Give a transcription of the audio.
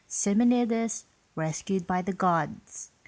SIMONIDES RESCUED BY THE GODS.